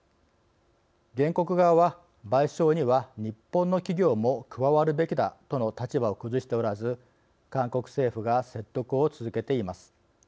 原告側は賠償には日本の企業も加わるべきだとの立場を崩しておらず韓国政府が説得を続けています。